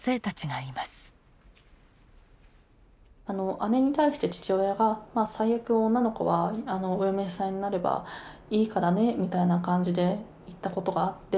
姉に対して父親が「最悪女の子はお嫁さんになればいいからね」みたいな感じで言ったことがあって。